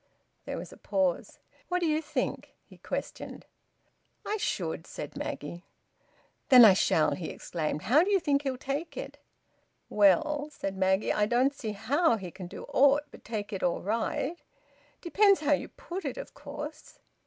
There was a pause. "What d'ye think?" he questioned. "I should," said Maggie. "Then I shall!" he exclaimed. "How d'ye think he'll take it?" "Well," said Maggie, "I don't see how he can do aught but take it all right... Depends how you put it, of course."